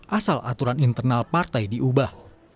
asal aturan internal partai diubah